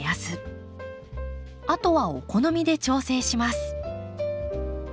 あとはお好みで調整します。